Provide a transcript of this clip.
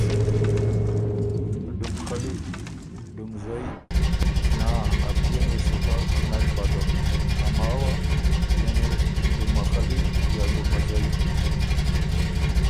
ډُم خلي ـــ ډُم زئ ـــ نا ا پئے ن يې سو خه نک به ډُم ـــ ا ماوه! ـــ یعنی ډُمه خلی، یا ډُمه زئ ـ